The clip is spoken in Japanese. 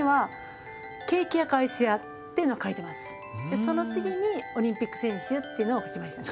でその次にオリンピック選手っていうのを書きました。